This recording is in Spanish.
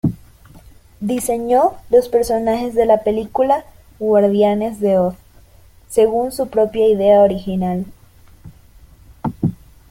Diseñó los personajes de la película "Guardianes de Oz", según su propia idea original.